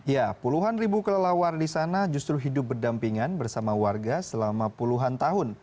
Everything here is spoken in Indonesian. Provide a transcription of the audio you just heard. ya puluhan ribu kelelawar di sana justru hidup berdampingan bersama warga selama puluhan tahun